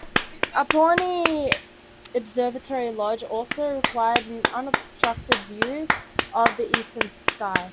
A Pawnee observatory-lodge also required an unobstructed view of the eastern sky.